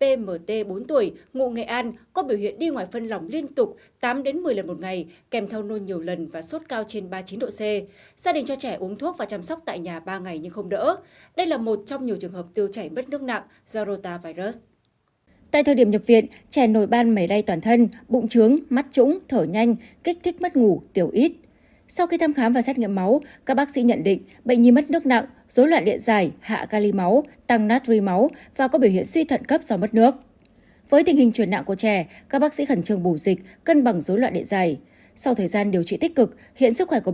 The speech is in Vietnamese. các bác sĩ khẩn trương bù dịch cân bằng dối loạn điện dày sau thời gian điều trị tích cực hiện sức khỏe của bệnh nhi đã ổn định